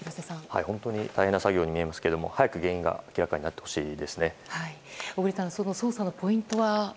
本当に大変な作業に見えますけど、早く原因が小栗さん、捜査のポイントは？